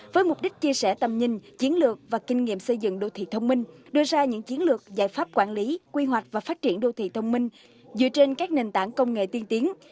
với mục đích chia sẻ tầm nhìn chiến lược và kinh nghiệm xây dựng đô thị thông minh đưa ra những chiến lược giải pháp quản lý quy hoạch và phát triển đô thị thông minh dựa trên các nền tảng công nghệ tiên tiến